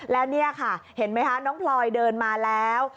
และนี่ค่ะเห็นไหมคะน้องพลอยเดินมาแล้ว